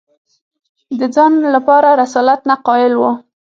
د ځان لپاره رسالت نه قایل وو